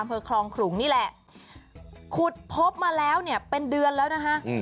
อำเภอคลองขลุงนี่แหละขุดพบมาแล้วเนี่ยเป็นเดือนแล้วนะคะ